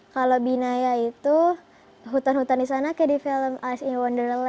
kalau binaya itu hutan hutan di sana kayak di film ice in wonderly